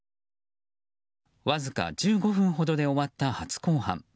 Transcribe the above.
わずか１５分で終わった初公判。